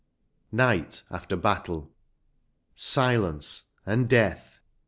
NIGHT AJFTER BATTLE. Silence and death